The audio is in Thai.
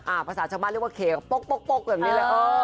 อ่าภาษาชาวบ้านเรียกว่าโป๊กโป๊กแบบนี้แหละเออ